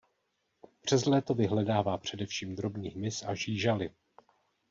Přes léto vyhledává především drobný hmyz a žížaly.